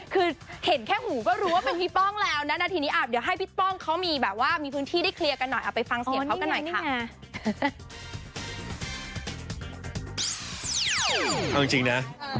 คือเห็นแค่หูก็รู้ว่าเป็นพี่ป้องแล้วนะ